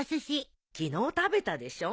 昨日食べたでしょ。